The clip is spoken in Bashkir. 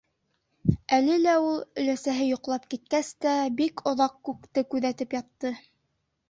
Әле лә ул өләсәһе йоҡлап киткәс тә, бик оҙаҡ күкте күҙәтеп ятты.